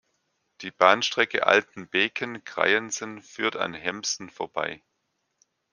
Die Bahnstrecke Altenbeken–Kreiensen führt an Hembsen vorbei.